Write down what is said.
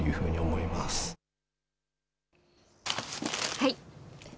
はい。